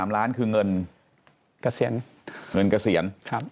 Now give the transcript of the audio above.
๓ล้านคืองเงินเกษียณ